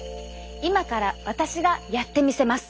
今から私がやってみせます。